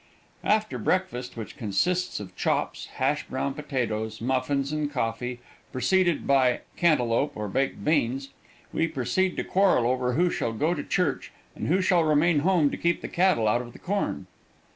After breakfast, which consists of chops, hashed brown potatoes, muffins and coffee, preceded by canteloupe or baked beans, we proceed to quarrel over who shall go to church and who shall remain at home to keep the cattle out of the corn.